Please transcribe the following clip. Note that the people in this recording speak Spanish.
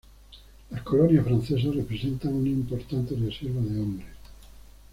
Las colonias francesas representan una importante reserva de hombres.